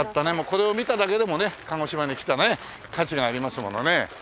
これを見ただけでもね鹿児島に来たね価値がありますものね。